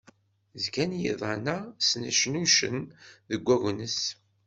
Zgan yiḍan-a snecnucen deg agnes.